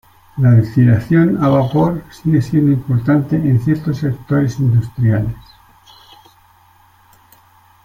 La destilación a vapor sigue siendo importante en ciertos sectores industriales.